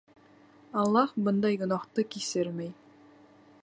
Аллаһ бындай гонаһты кисермәй.